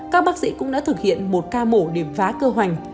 các bác sĩ cũng đã thực hiện một ca mổ để phá cơ hoành